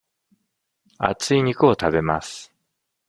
厚い肉を食べます。